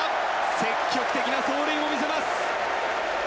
積極的な走塁を見せます。